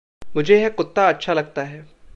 मुझे यह कुत्ता अच्छा लगता है।